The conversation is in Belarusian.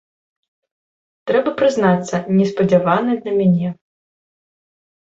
Трэба прызнацца, неспадзяваны для мяне.